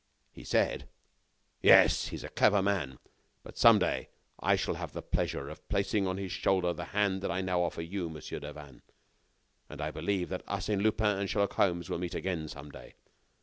He said: "Yes, he is a clever man, but some day I shall have the pleasure of placing on his shoulder the hand I now offer to you, Monsieur Devanne. And I believe that Arsène Lupin and Sherlock Holmes will meet again some day.